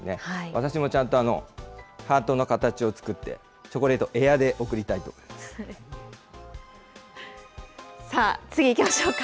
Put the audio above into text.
私もちゃんとハートの形を作って、チョコレート、さあ、次いきましょうか。